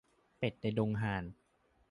เป็ดในดงห่าน